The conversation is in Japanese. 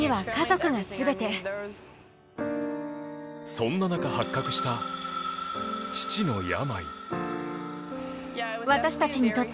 そんな中発覚した父の病。